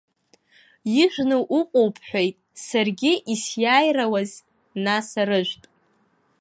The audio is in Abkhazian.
Ижәны уҟоуп бҳәеит, саргьы исиааирауааз, нас, арыжәтә?